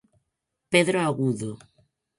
Pedro Agudo.